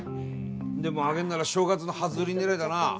でも揚げんなら、月の初売り狙いだな。